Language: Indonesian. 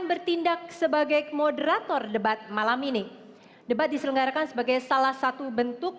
bertindak sebagai moderator debat malam ini debat diselenggarakan sebagai salah satu bentuk